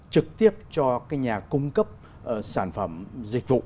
trực tiếp cho cái nhà cung cấp sản phẩm dịch vụ